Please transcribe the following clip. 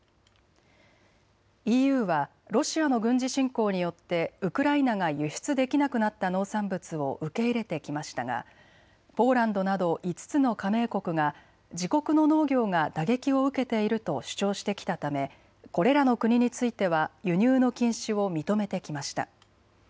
ＥＵはロシアの軍事侵攻によってウクライナが輸出できなくなった農産物を受け入れてきましたがポーランドなど５つの加盟国が自国の農業が打撃を受けていると主張してきたためこれらの国については輸入の禁止を認めてきました。